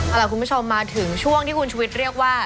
เอาล่ะคุณผู้ชมมาถึงช่วงที่คุณชุวิตเรียกว่า